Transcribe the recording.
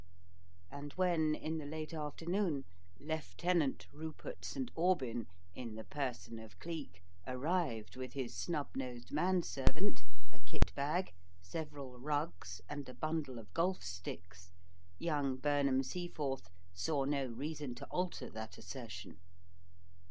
And when, in the late afternoon, "Lieutenant Rupert St. Aubyn," in the person of Cleek, arrived with his snubnosed manservant, a kit bag, several rugs and a bundle of golf sticks, young Burnham Seaforth saw no reason to alter that assertion.